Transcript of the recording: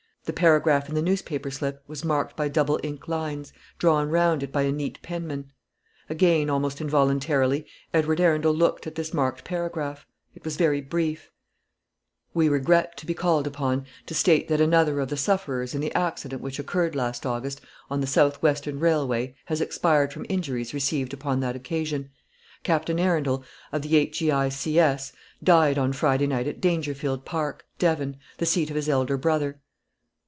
The paragraph in the newspaper slip was marked by double ink lines, drawn round it by a neat penman. Again almost involuntarily, Edward Arundel looked at this marked paragraph. It was very brief: "We regret to be called upon to state that another of the sufferers in the accident which occurred last August on the South Western Railway has expired from injuries received upon that occasion. Captain Arundel, of the H.E.I.C.S., died on Friday night at Dangerfield Park, Devon, the seat of his elder brother."